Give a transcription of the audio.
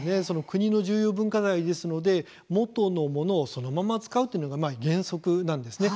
国の重要文化財ですので元のものをそのまま使うというのが原則なんですね。